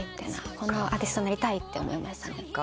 こんなアーティストになりたいと思いました。